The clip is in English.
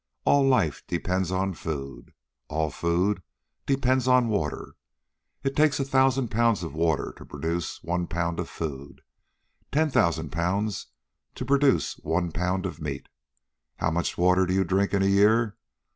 All life depends on food. All food depends on water. It takes a thousand pounds of water to produce one pound of food; ten thousand pounds to produce one pound of meat. How much water do you drink in a year?